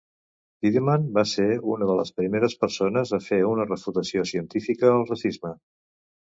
Tiedemann va ser una de les primeres persones a fer una refutació científica al racisme.